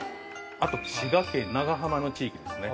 あと滋賀県長浜の地域ですね。